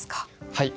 はい。